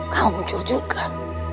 kau jujur gak